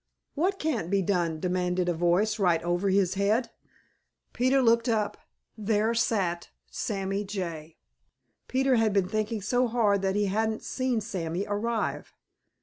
"What can't be done?" demanded a voice right over his head. Peter looked up. There sat Sammy Jay. Peter had been thinking so hard that he hadn't seen Sammy arrive.